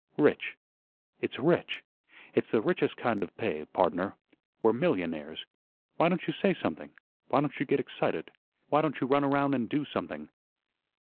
Rich, it's rich; it's the richest kind of pay, pardner. We're millionaires. Why don't you say something? Why don't you get excited? Why don't you run around an' do something?"